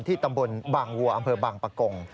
ตำบลบางวัวอำเภอบางปะกง